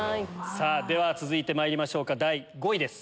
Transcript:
続いてまいりましょうか第５位です。